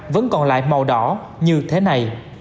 vẫn còn lại màu đỏ như thế này